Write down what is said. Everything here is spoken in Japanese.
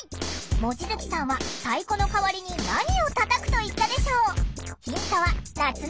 望月さんは太鼓の代わりに何をたたくと言ったでしょう？